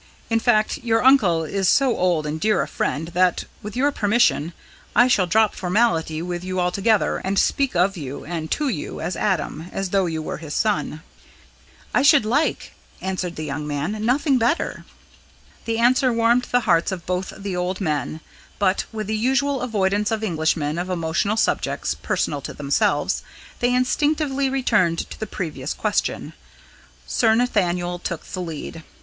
In fact, your uncle is so old and dear a friend, that, with your permission, I shall drop formality with you altogether and speak of you and to you as Adam, as though you were his son." "I should like," answered the young man, "nothing better!" The answer warmed the hearts of both the old men, but, with the usual avoidance of Englishmen of emotional subjects personal to themselves, they instinctively returned to the previous question. Sir Nathaniel took the lead.